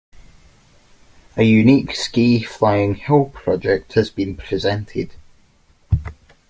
A unique ski flying hill project has been presented.